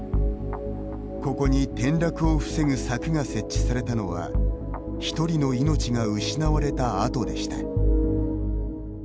ここに転落を防ぐ柵が設置されたのは一人の命が失われたあとでした。